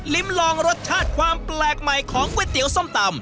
ลองรสชาติความแปลกใหม่ของก๋วยเตี๋ยวส้มตำ